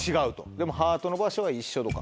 でもハートの場所は一緒とか。